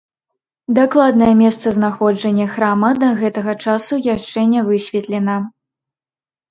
Дакладнае месцазнаходжанне храма да гэтага часу яшчэ не высветлена.